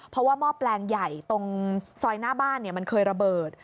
เพราะว่าหม้อแปลงใหญ่ตรงซอยหน้าบ้านมันเคยระเบิด